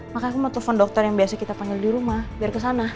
makanya aku mau telepon dokter yang biasa kita panggil di rumah biar ke sana